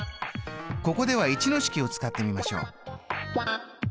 ここでは１の式を使ってみましょう。